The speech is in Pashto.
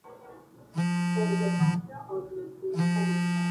د رواجي او جبري مبارکیو